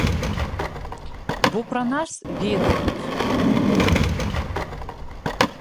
Бо пра нас ведаюць.